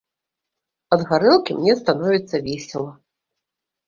Ад гарэлкі мне становіцца весела.